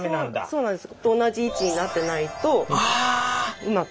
そうなんです。